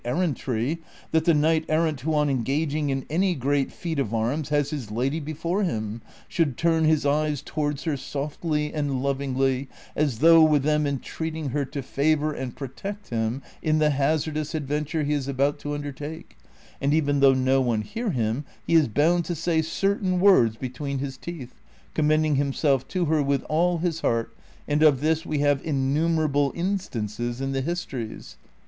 81 errantry that tlie knight errant Avho on engaging in any great feat of arms has his lady l)efore him, shoiikl turn liis eyes towards her softly and lovingly, as though Avith them en treating her to favor and protect him in the hazardous ven ture he is about to undertake, and even though no one hear him, he is bound to say certain words between his teeth, commending himself to her with all his heart, and of this we have innumerable instances in the histories.